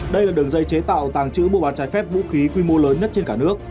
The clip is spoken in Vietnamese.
đây là đường dây chế tạo tàng trữ mua bán trái phép vũ khí quy mô lớn nhất trên cả nước